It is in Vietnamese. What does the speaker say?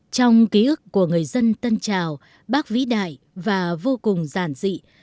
trong ký ức của người dân tân trào bác vĩ đại và vô cùng giản dị